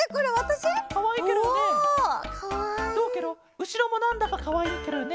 うしろもなんだかかわいいケロよね。